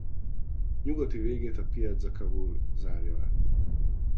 Nyugati végét a Piazza Cavour zárja le.